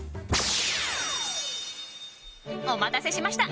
お待たせしました。